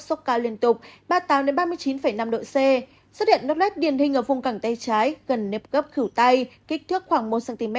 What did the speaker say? sốc cao liên tục ba mươi tám ba mươi chín năm độ c xuất hiện nốt nét điền hình ở vùng cẳng tay trái gần nếp gấp khửu tay kích thước khoảng một cm